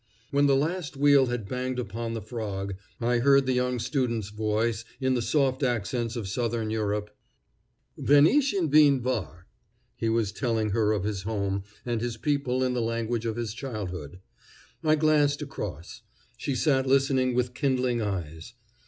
When the last wheel had banged upon the frog, I heard the young student's voice, in the soft accents of southern Europe: "Wenn ich in Wien war " He was telling her of his home and his people in the language of his childhood. I glanced across. She sat listening with kindling eyes.